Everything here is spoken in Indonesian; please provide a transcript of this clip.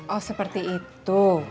oh seperti itu